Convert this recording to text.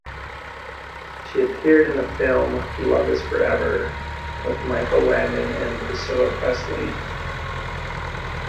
She appeared in the film "Love Is Forever", with Michael Landon and Priscilla Presley.